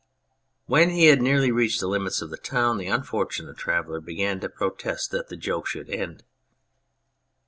When he had nearly reached the limits of the town the unfortunate traveller began to protest that the joke should end.